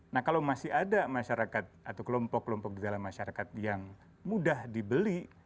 nah kalau masih ada masyarakat atau kelompok kelompok di dalam masyarakat yang mudah dibeli